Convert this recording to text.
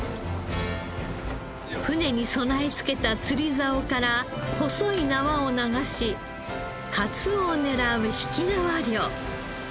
船に備え付けた釣りざおから細い縄を流しかつおを狙う曳縄漁。